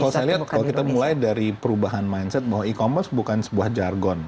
kalau saya lihat kalau kita mulai dari perubahan mindset bahwa e commerce bukan sebuah jargon